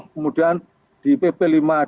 kemudian di pp lima dua ribu dua puluh satu